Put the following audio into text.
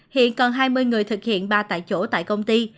hiện còn hai mươi người thực hiện ba tại chỗ tại công ty